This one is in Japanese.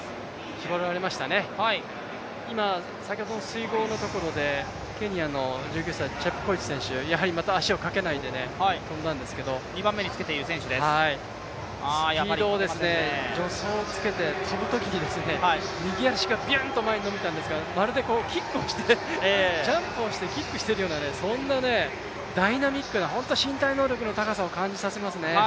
絞られましたね、今、先ほどの水濠のところでケニアの１９歳、チェプコエチ選手また足をかけないで跳んだんですけどスピードを助走をつけて、跳ぶときに右足がビュンと前に伸びたんですがまるでキックをしてジャンプしてキックしているような、そんなダイナミックな、本当に身体能力の高さを感じさせますね。